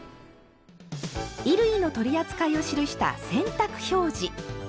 衣類の取り扱いを記した「洗濯表示」。